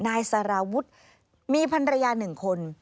นายสาราวุธมีภรรยา๑คน